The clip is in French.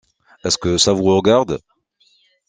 Est-ce que ça vous regarde?...